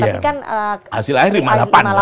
tapi kan hasil akhirnya lima puluh delapan